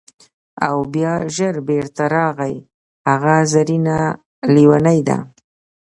او بیا ژر بیرته راغی: هغه زرینه لیونۍ ده!